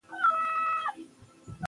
د پرون په پرتله نن غوره اوسئ.